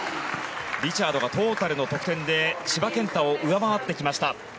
リチャードがトータルの得点で千葉健太を上回ってきました。